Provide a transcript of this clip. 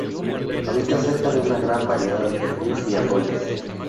Habita cerca de una gran variedad de ríos y arroyos.